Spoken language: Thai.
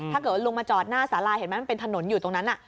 ถ้าเกิดว่าลุงมาจอดหน้าสาราเห็นไหมมันเป็นถนนอยู่ตรงนั้น